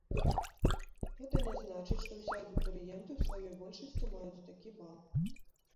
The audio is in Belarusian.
Гэта не значыць, што ўсе абітурыенты ў сваёй большасці маюць такі бал.